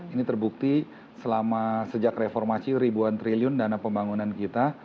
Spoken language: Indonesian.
ini terbukti selama sejak reformasi ribuan triliun dana pembangunan kita